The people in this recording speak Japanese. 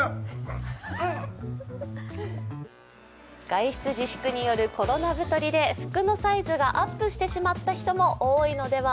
外出自粛によるコロナ太りで服のサイズがアップしてしまった人も多いのでは。